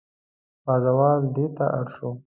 پازوال دېته اړ شو.